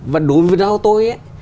và đối với do tôi